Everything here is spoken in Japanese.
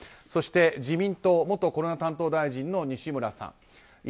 そして自民党元コロナ担当大臣の西村さん。